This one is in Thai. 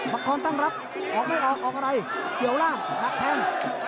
คอนตั้งรับออกไม่ออกออกอะไรเกี่ยวล่างดักแทง